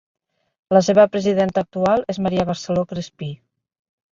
La seva presidenta actual és Maria Barceló Crespí.